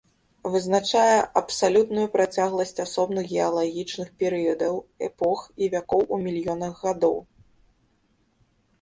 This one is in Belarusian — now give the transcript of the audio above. Вызначае абсалютную працягласць асобных геалагічных перыядаў, эпох і вякоў у мільёнах гадоў.